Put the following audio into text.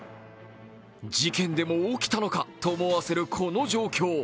事件でも起きたのか？と思わせるこの状況。